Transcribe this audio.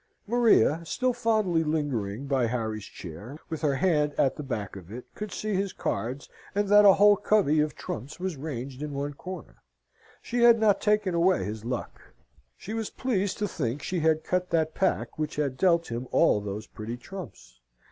Maria, still fondly lingering by Harry's chair, with her hand at the back of it, could see his cards, and that a whole covey of trumps was ranged in one corner. She had not taken away his luck. She was pleased to think she had cut that pack which had dealt him all those pretty trumps.